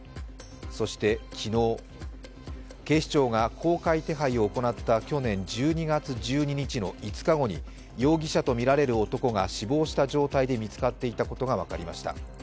そして昨日、警視庁が公開手配を行った去年１２月１２日の５日後に容疑者とみられる男が死亡した状態で見つかっていたことが分かりました。